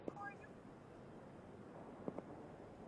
Cedillo grew up in the Boyle Heights area of Los Angeles.